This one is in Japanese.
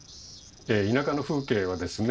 田舎の風景はですね